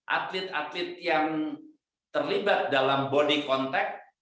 atlet atlet yang terlibat dalam body contact